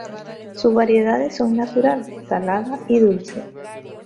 Sus variedades son natural, salada y dulce.